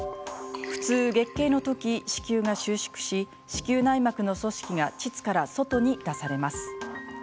普通、月経のとき、子宮が収縮し子宮内膜の組織が腟から外に出されます。